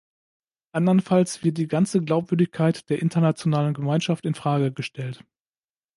Andernfalls wird die ganze Glaubwürdigkeit der internationalen Gemeinschaft in Frage gestellt.